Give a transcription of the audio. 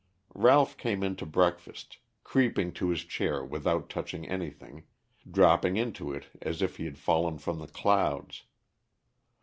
Ralph came into breakfast, creeping to his chair without touching anything, dropping into it as if he had fallen from the clouds.